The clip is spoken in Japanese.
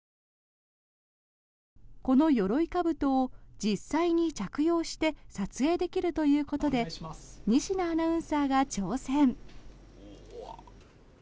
このよろいかぶとを実際に着用して撮影できるということで仁科アナウンサーが挑戦。